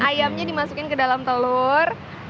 ayamnya dimasukin ke dalam telur